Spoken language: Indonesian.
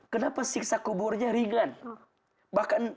kenapa siksa kuburnya ringan